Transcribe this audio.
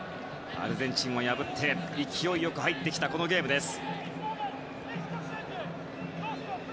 アルゼンチンを破って勢いよく入ってきたこのゲームです。